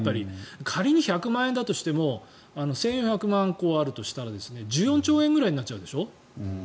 仮に１００万円だとしても１４００万戸あるとしたら１４兆円くらいになっちゃうでしょ。